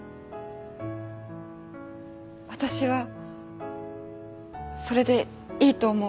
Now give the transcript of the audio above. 私はそれでいいと思う。